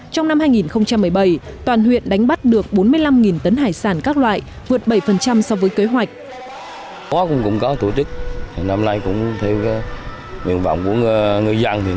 trong năm hai nghìn một mươi bảy toàn huyện đánh bắt được bốn mươi năm tấn hải sản các loại vượt bảy so với kế hoạch